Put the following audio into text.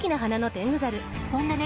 そんでね